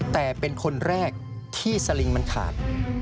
แต่เป็นคนแรกที่สลิงมันขาด